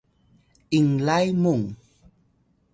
inlay mung